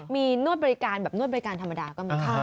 มีนวดบริการแบบนวดบริการธรรมดาก็มีค่า